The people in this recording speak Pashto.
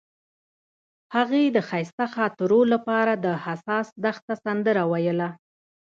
هغې د ښایسته خاطرو لپاره د حساس دښته سندره ویله.